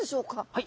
はい。